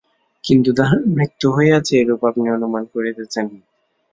কিন্তু তাঁহার মৃত্যু হইয়াছে, এইরূপ আপনি অনুমান করিতেছেন।